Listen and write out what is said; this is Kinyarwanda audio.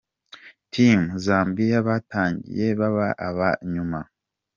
Team Zambia batangiye baba aba nyuma .